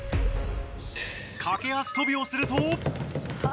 駆け足跳びをすると。